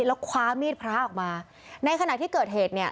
แล้วคว้ามีดพระออกมาในขณะที่เกิดเหตุเนี่ย